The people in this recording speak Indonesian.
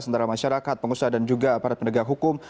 sementara masyarakat pengusaha dan juga para pendegar hukum